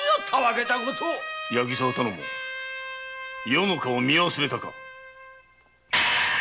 八木沢頼母余の顔を見忘れたか。